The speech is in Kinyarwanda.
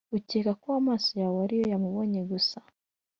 ukeka ko amaso yawe ariyo yamubonye gusa?